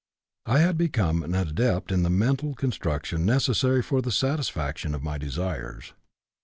"I had become an adept in the mental construction necessary for the satisfaction of my desires.